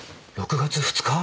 ６月２日！？